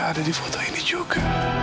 ada di foto ini juga